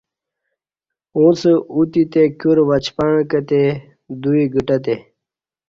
اُݩڅ اوتی تے کیور وچپعݩع کہتے، دوئ گھٹہ تے